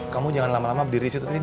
kamu jangan lama lama berdiri disitu tim